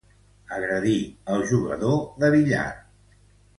Agredir el jugador de billar.